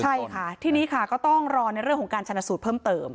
ใช่ค่ะทีนี้ค่ะก็ต้องรอในเรื่องของการชนะสูตรเพิ่มเติม